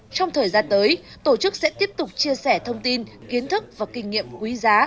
trong thời gian tới tổ chức sẽ tiếp tục chia sẻ thông tin kiến thức và kinh nghiệm quý giá